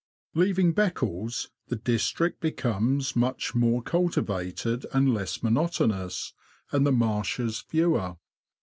Leaving Beccles, the district becomes much more cultivated and less monotonous, and the marshes fewer.